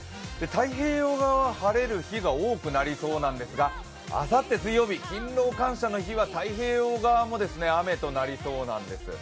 太平洋側は晴れる日が多くなりそうなんですが、あさって水曜日、勤労感謝の日は太平洋側も雨となりそうなんです。